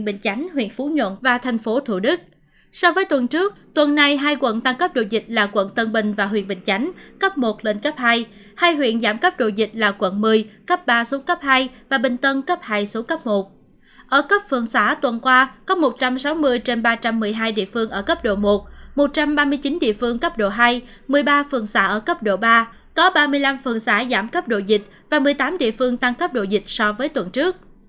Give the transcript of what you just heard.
ở cấp phường xã tuần qua có một trăm sáu mươi trên ba trăm một mươi hai địa phương ở cấp độ một một trăm ba mươi chín địa phương cấp độ hai một mươi ba phường xã ở cấp độ ba có ba mươi năm phường xã giảm cấp độ dịch và một mươi tám địa phương tăng cấp độ dịch so với tuần trước